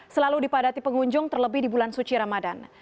selalu dipadati pengunjung terlebih di bulan suci ramadan